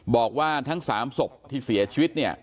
บอกว่าทั้ง๓ศพที่เสียชีวิตเนี่ย